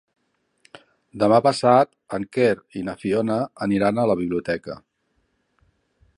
Demà passat en Quer i na Fiona aniran a la biblioteca.